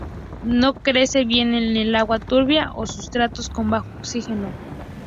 No crece bien en el agua turbia o sustratos con bajo oxígeno.